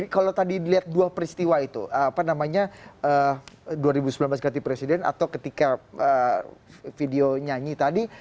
kalau tadi dilihat dua peristiwa itu apa namanya dua ribu sembilan belas ganti presiden atau ketika video nyanyi tadi